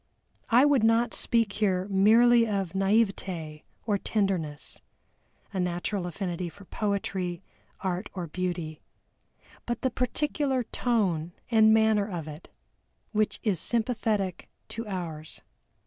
I would not speak here merely of naïveté or tenderness a natural affinity for poetry, art, or beauty, but the peculiar tone and manner of it, which is sympathetic to ours.